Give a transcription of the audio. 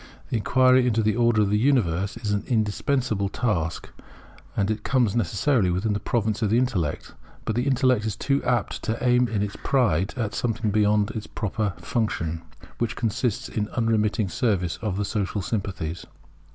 The inquiry into the Order of the Universe is an indispensable task, and it comes necessarily within the province of the intellect; but the intellect is too apt to aim in its pride at something beyond its proper function, which consists in unremitting service of the social sympathies.